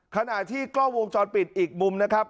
ขณะที่กล้องวงจรปิดอีกมุมนะครับ